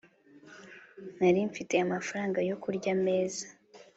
narimfite amafaranga yokurya meza